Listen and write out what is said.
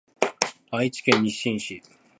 愛知県日進市